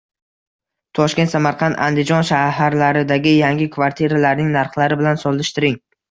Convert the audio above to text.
Toshkent, Samarqand, Andijon shaharlaridagi yangi kvartiralarning narxlari bilan solishtiring